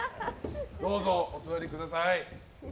どうぞお座りください。